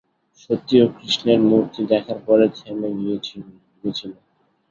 সত্যিই, ও কৃষ্ণের মূর্তি দেখার পরে থেমে গেছিলো?